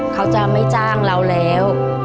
เขาจะไม่จ้างเราแล้ว